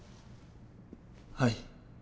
はい。